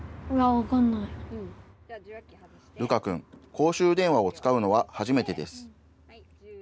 公衆電話を使うのは初めてです。